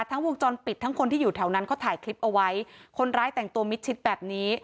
วงจรปิดทั้งคนที่อยู่แถวนั้นเขาถ่ายคลิปเอาไว้คนร้ายแต่งตัวมิดชิดแบบนี้